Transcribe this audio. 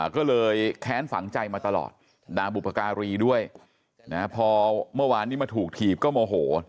ก็เลยแค้นฝังใจมาตลอดด่าบุพการีด้วยพอเมื่อวานนี้มาถูกถีบก็โมโห